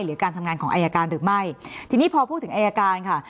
หรือการทำงานของอายการหรือไม่ทีนี้พอพูดถึงอายการค่ะ